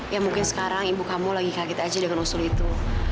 ya mungkin sekarang ibu kamu lagi kaget aja dengan usul itu